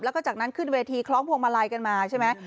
แล้วก็จากนั้นขึ้นเวทีคล้องพวงมาลัยกันมาใช่ไหม